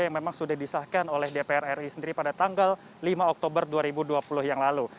yang memang sudah disahkan oleh dpr ri sendiri pada tanggal lima oktober dua ribu dua puluh yang lalu